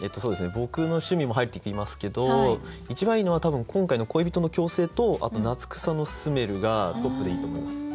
僕の趣味も入ってきますけど一番いいのは多分今回の「恋人の嬌声」とあと「夏草のスメル」がトップでいいと思います。